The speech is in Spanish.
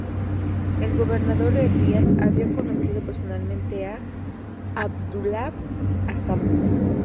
El gobernador de Riad había conocido personalmente a Abdullah Azzam.